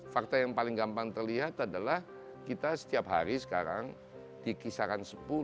fakta yang paling gampang terlihat adalah kita setiap hari sekarang di kisaran sepuluh